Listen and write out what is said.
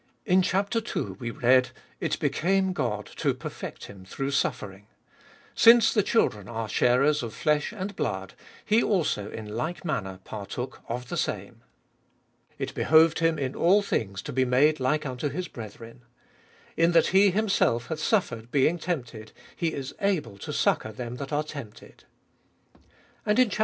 In chap. ii. we read : It became God to perfect Him through suffering ; Since the children are sharers of flesh and blood, He also in like manner partook of the same. It behoved Him in all things to be made like unto His brethren. In that He Him self hath suffered, being tempted, He is able to succour them that are tempted. And in chap.